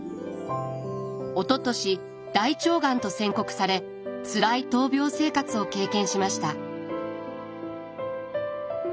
おととし大腸がんと宣告されつらい闘病生活を経験しました。